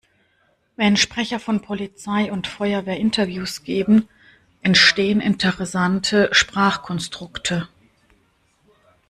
Wenn Sprecher von Polizei und Feuerwehr Interviews geben, entstehen interessante Sprachkonstrukte.